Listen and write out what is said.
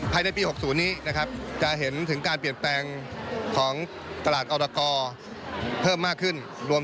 ภายในปี๖๐นี้นะครับจะเห็นถึงการเปลี่ยนแปลงของตลาดอรกรเพิ่มมากขึ้น